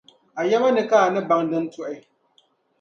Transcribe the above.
A yɛma ni ka a ni baŋ din tuhi.